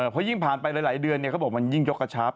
เพราะยิ่งผ่านไปหลายเดือนเขาบอกมันยิ่งยกกระชับ